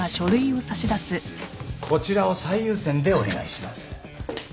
こちらを最優先でお願いします。